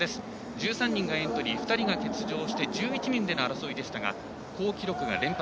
１３人がエントリー２人が欠場して１１人での争いでしたが好記録が連発。